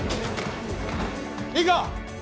いいか？